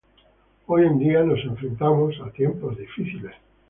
Hoy en día, nos enfrentamos a tiempos difíciles.